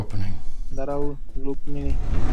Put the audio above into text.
দাঁড়াও, রুকমিনি।